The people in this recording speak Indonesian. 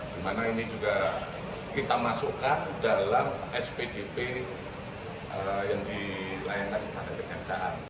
dimana ini juga kita masukkan dalam spdp yang dilayankan pada kejaksaan